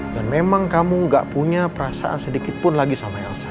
dan memang kamu gak punya perasaan sedikit pun lagi sama elsa